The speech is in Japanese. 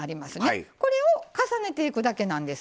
これを重ねていくだけなんです。